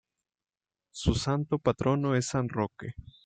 Su santo patrono es San Roque.